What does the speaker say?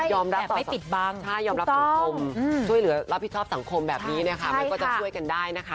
ยอมรับไม่ปิดบังใช่ยอมรับสังคมช่วยเหลือรับผิดชอบสังคมแบบนี้เนี่ยค่ะมันก็จะช่วยกันได้นะคะ